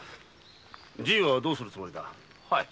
じいはどうするつもりだ？